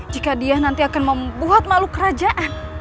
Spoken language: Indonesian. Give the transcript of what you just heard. jika dia nanti akan membuat makhluk kerajaan